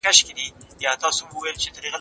موږ ته سمه لارښوونه سوې ده.